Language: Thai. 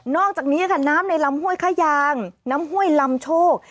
อกจากนี้ค่ะน้ำในลำห้วยขยางน้ำห้วยลำโชค